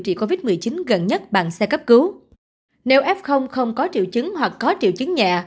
trị covid một mươi chín gần nhất bằng xe cấp cứu nếu f không có triệu chứng hoặc có triệu chứng nhẹ